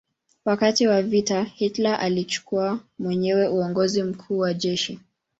Wakati wa vita Hitler alichukua mwenyewe uongozi mkuu wa jeshi.